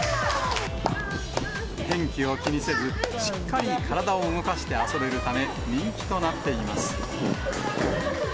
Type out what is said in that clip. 天気を気にせず、しっかり体を動かして遊べるため、人気となっています。